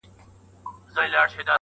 چي ښځي ته د وکالت حق ورکوي